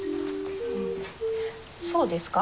そうですか？